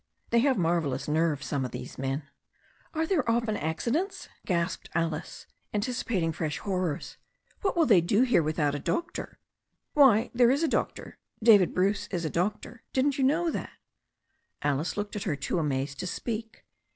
They have marvellous nerve, some of these men." "Are there often accidents?" gasped Alice, anticipating fresh horrors. "What will they do here without a doctor?" "Why, there is a doctor. David Bruce is a doctor. Didn't you know that?" Alice looked at her, too amazed to speak.